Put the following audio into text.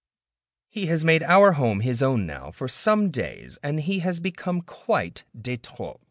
He has made our home his own now for some days, and he has become quite de trop.